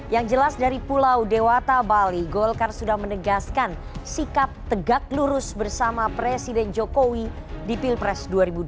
yang jelas dari pulau dewata bali golkar sudah menegaskan sikap tegak lurus bersama presiden jokowi di pilpres dua ribu dua puluh